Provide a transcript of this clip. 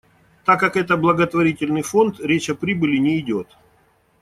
Так как это благотворительный фонд, речь о прибыли не идёт.